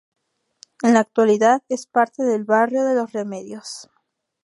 En la actualidad, es parte del barrio de Los Remedios.